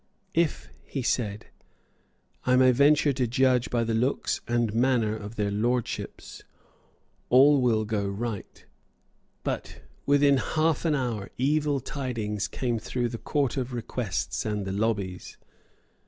"If," he said, "I may venture to judge by the looks and manner of their Lordships, all will go right." But within half an hour evil tidings came through the Court of Requests and the lobbies.